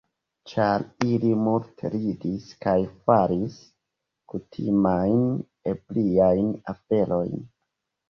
Ĉar ili multe ridis kaj faris kutimajn ebriajn aferojn.